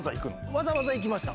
わざわざ行きました。